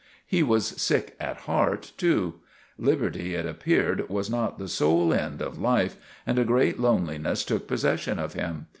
He was sick at heart, too. Liberty, it appeared, was not the sole end of life, and a great loneliness took possession of him.